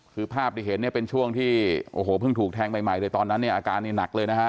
คือภาพที่เห็นเนี่ยเป็นช่วงที่โอ้โหเพิ่งถูกแทงใหม่เลยตอนนั้นเนี่ยอาการนี่หนักเลยนะฮะ